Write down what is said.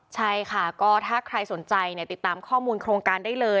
ใช่ค่ะก็ถ้าใครสนใจติดตามข้อมูลโครงการได้เลย